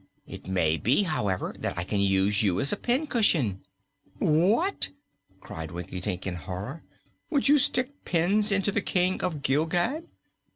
It may be, however, that I can use you as a pincushion. "What!" cried Rinkitink in horror, "would you stick pins into the King of Gilgad?"